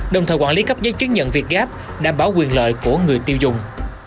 đồng thời quản lý cấp giấy chứng nhận việt gáp đảm bảo quyền lợi của người tiêu dùng